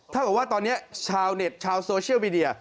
กับว่าตอนนี้ชาวเน็ตชาวโซเชียลมีเดีย